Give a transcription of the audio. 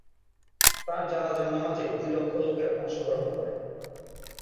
তাঁর জানাজার নামাজে দুই লক্ষ লোকের অংশ গ্রহণ করে।